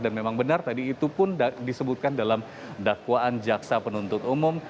dan memang benar tadi itu pun disebutkan dalam dakwaan jaksa penuntut umum